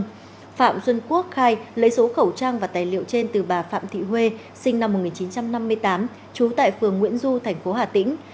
nguyễn phạm xuân quốc khai lấy số khẩu trang và tài liệu trên từ bà phạm thị huê sinh năm một nghìn chín trăm năm mươi tám trú tại phường nguyễn du thành phố hà tĩnh